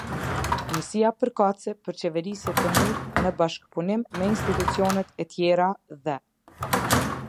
Njësia përkatëse për qeverisje të mirë, në bashkëpunim me institucionet e tjera dhe.